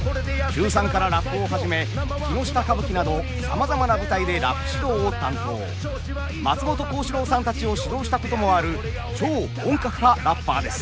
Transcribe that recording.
中３からラップを始め木ノ下歌舞伎などさまざまな舞台でラップ指導を担当松本幸四郎さんたちを指導したこともある超本格派ラッパーです。